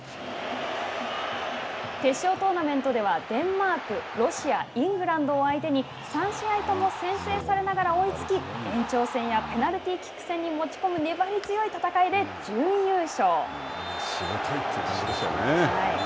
決勝トーナメントでは、デンマーク、ロシア、イングランドを相手に、３試合とも先制されながら追いつき、延長戦やペナルティーキック戦に持ち込む粘り強い戦いで準優勝。